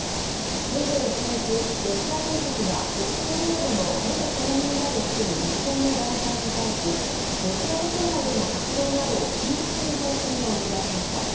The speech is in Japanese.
２１日、ロシア当局が北方領土の元島民らで作る日本の団体に対しロシア国内での活動などを禁止する方針を打ち出しました。